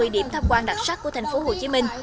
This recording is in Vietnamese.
ba mươi điểm tham quan đặc sắc của thành phố hồ chí minh